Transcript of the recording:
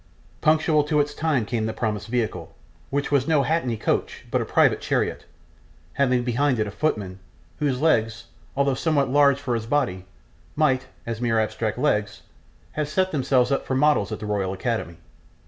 Punctual to its time came the promised vehicle, which was no hackney coach, but a private chariot, having behind it a footman, whose legs, although somewhat large for his body, might, as mere abstract legs, have set themselves up for models at the Royal Academy.